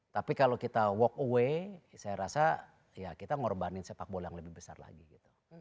tapi kalau kita walk away saya rasa ya kita ngorbanin sepak bola yang lebih besar lagi gitu